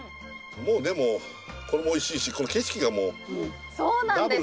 もうでもこれもおいしいしこの景色がもうダブルで。